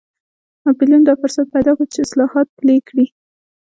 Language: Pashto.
ناپلیون دا فرصت پیدا کړ چې اصلاحات پلي کړي.